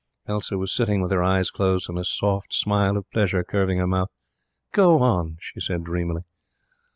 "' Elsa was sitting with her eyes closed and a soft smile of pleasure curving her mouth. 'Go on,' she said, dreamily.